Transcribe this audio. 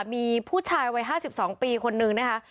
มีผู้ชายวัย๕๒ปีคนนึงนะคะ